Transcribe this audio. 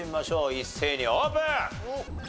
一斉にオープン！